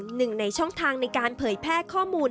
หนึ่งในช่องทางในการเผยแพร่ข้อมูล